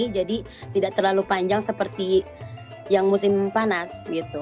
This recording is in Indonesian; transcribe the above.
jadi tidak terlalu panjang seperti yang musim panas